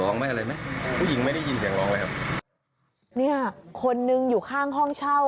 นี่คนหนึ่งอยู่ข้างห้องเช่า